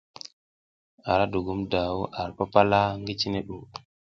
Ara dugum daw ar papala ngi cine ɗu.